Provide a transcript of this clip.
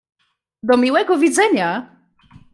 "Do miłego widzenia."